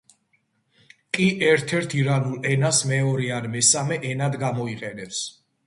კი ერთ-ერთ ირანულ ენას მეორე ან მესამე ენად გამოიყენებს.